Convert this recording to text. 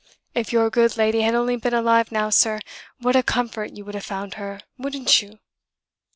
If your good lady had only been alive now, sir, what a comfort you would have found her, wouldn't you?"